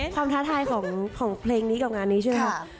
ท้าทายของเพลงนี้กับงานนี้ใช่ไหมครับ